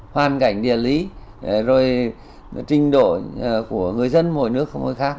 hoàn cảnh địa lý rồi trình độ của người dân mỗi nước mỗi khác